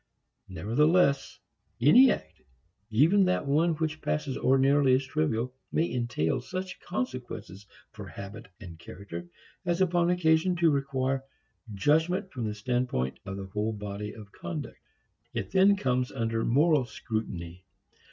Nevertheless any act, even that one which passes ordinarily as trivial, may entail such consequences for habit and character as upon occasion to require judgment from the standpoint of the whole body of conduct. It then comes under moral scrutiny.